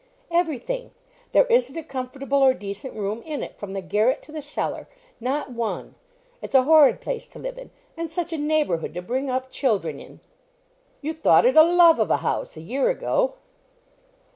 "Every thing. There isn't a comfortable or decent room in it, from the garret to the cellar. Not one. It's a horrid place to live in; and such a neighbourhood to bring up children in!" "You thought it a 'love of a house' a year ago."